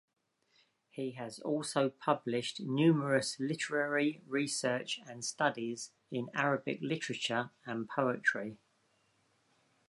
He has also published numerous literary research and studies in Arabic literature and poetry.